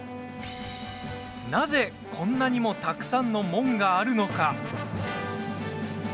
なぜ、こんなにもたくさんの門があるのか？